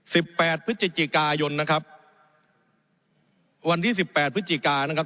แปดพฤศจิกายนนะครับวันที่สิบแปดพฤศจิกานะครับ